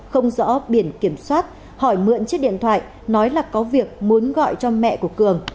không rõ biển kiểm soát hỏi mượn chiếc điện thoại nói là có việc muốn gọi cho mẹ của cường